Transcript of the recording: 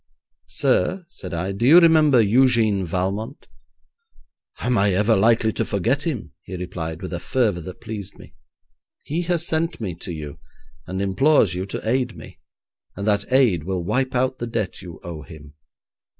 'Sir,' said I, 'do you remember Eugène Valmont?' 'Am I ever likely to forget him?' he replied, with a fervour that pleased me. 'He has sent me to you, and implores you to aid me, and that aid will wipe out the debt you owe him.'